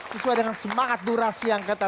sesuai dengan semangat durasi yang kata